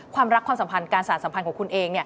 ความรักความสัมพันธ์การสารสัมพันธ์ของคุณเอง